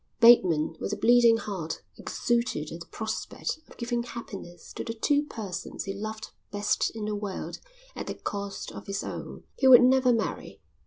Bateman, with a bleeding heart, exulted at the prospect of giving happiness to the two persons he loved best in the world at the cost of his own. He would never marry.